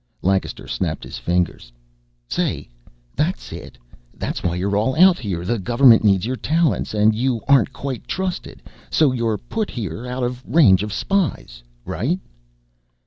Lancaster snapped his fingers. "Say, that's it! That's why you're all out here. The government needs your talents, and you aren't quite trusted, so you're put here out of range of spies. Right?"